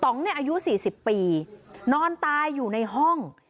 ตำเนี่ยอายุสี่สิบปีนอนตายอยู่ในห้อง